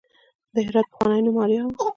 د هرات پخوانی نوم اریا و